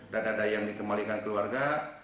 dada dada yang dikembalikan keluarga